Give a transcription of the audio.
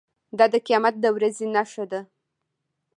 دا د قیامت د ورځې نښه ده.